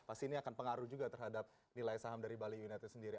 pasti ini akan pengaruh juga terhadap nilai saham dari bali united sendiri